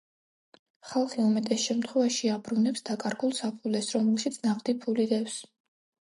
ხალხი უმეტეს შემთხვევაში აბრუნებს დაკარგულ საფულეს, რომელშიც ნაღდი ფული დევს.